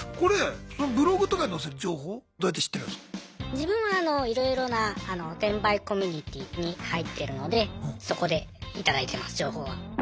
自分はいろいろな転売コミュニティーに入ってるのでそこで頂いてます情報は。え？